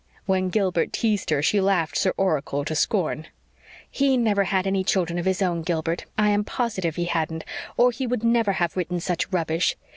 When Gilbert teased her she laughed Sir Oracle to scorn. "He never had any children of his own, Gilbert I am positive he hadn't or he would never have written such rubbish.